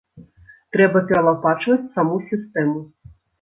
Трэба пералапачваць саму сістэму.